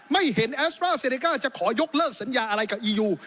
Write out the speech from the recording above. ไม่เห็นแอสตราเซเนก้าจะขอยกเลิกสัญญาอะไรกับอียู